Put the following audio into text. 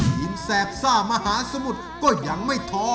แสบซ่ามหาสมุทรก็ยังไม่ท้อ